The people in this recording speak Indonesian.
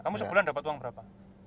kamu sebulan dapat uang berapa